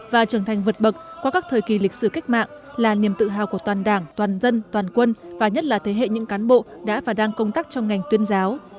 và trưởng thành vượt bậc qua các thời kỳ lịch sử cách mạng là niềm tự hào của toàn đảng toàn dân toàn quân và nhất là thế hệ những cán bộ đã và đang công tác trong ngành tuyên giáo